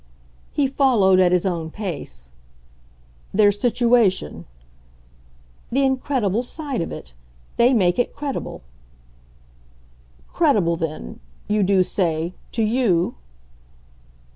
He followed at his own pace. "Their situation?" "The incredible side of it. They make it credible." "Credible then you do say to YOU?"